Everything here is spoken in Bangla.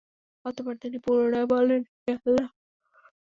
অতঃপর তিনি পুনরায় বললেন, হে আল্লাহ!